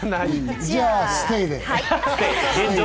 じゃあステイで。